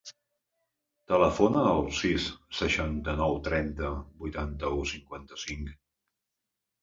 Telefona al sis, seixanta-nou, trenta, vuitanta-u, cinquanta-cinc.